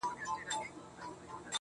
ما ويل څه به ورته گران يمه زه.